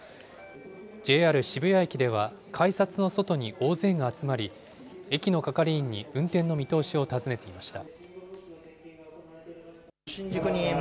ＪＲ渋谷駅では、改札の外に大勢が集まり、駅の係員に運転の見通しを尋ねていました。